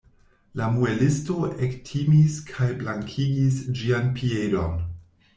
La muelisto ektimis kaj blankigis ĝian piedon.